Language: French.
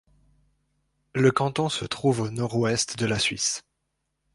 Le canton se trouve au nord-ouest de la Suisse.